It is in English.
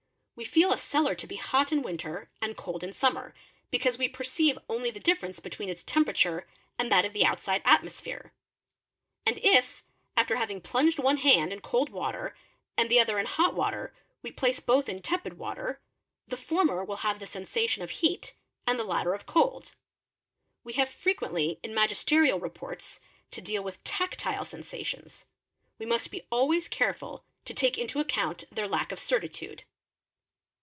We feel a cellar to be hot in winter and cold in summer,' because we perceive only the difference between its temperature and that of the outside atmosphere; and if, after having plunged one hand in cold 'water and the other in hot water, we place both in tepid water, the former will have the sensation of heat and the latter of cold. We have frequently in magisterial reports, to deal with tactile sensations; we must be always careful to take into account their lack of certitude.